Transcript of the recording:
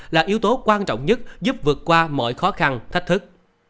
là yếu tố quan trọng nhất giúp vượt qua mọi khó khăn thách thức